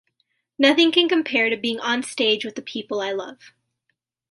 Nothing can compare to being onstage with the people I love.